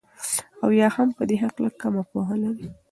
او يا هم په دي هكله كمه پوهه لري